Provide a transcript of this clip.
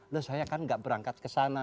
loh saya kan gak berangkat ke sana